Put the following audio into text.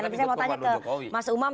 tapi saya mau tanya ke mas umam